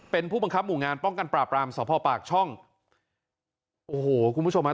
เป็นผู้บังคับหมู่งานป้องกันปราบรามสภปากช่องโอ้โหคุณผู้ชมฮะ